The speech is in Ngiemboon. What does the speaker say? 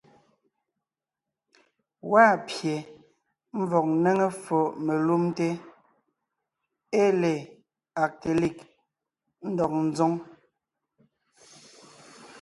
Gwaa pye ḿvɔg ńnéŋe ffo melumte ée le Agtelig ńdɔg ńzoŋ.